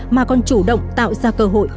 mà còn chủ động tạo ra cơ hội